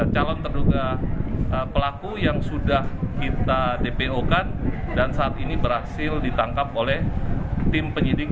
calon terduga pelaku yang sudah kita dpo kan dan saat ini berhasil ditangkap oleh tim penyidik